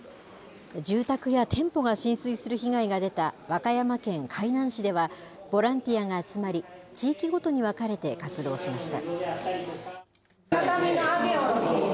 住宅や店舗が浸水する被害が出た和歌山県海南市では、ボランティアが集まり、地域ごとに分かれて活動しました。